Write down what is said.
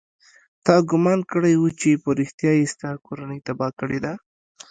تا ګومان کړى و چې په رښتيا يې ستا کورنۍ تباه کړې ده.